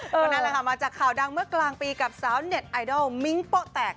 ก็นั่นแหละค่ะมาจากข่าวดังเมื่อกลางปีกับสาวเน็ตไอดอลมิ้งโป๊แตก